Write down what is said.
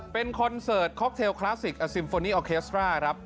เป็นคอนเสิร์ตคล็อกเทลคลาสสิกออเคสตร่า